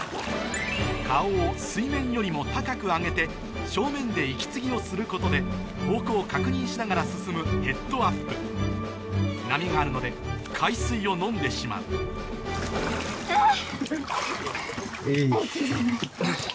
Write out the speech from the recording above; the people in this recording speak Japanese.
顔を水面よりも高く上げて正面で息継ぎをすることで方向を確認しながら進むヘッドアップ波があるので海水を飲んでしまうはぁ。